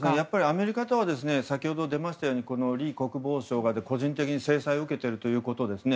アメリカとは先ほど出ましたようにリ国防相が、個人的に制裁を受けているということですね。